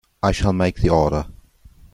I shall make the order.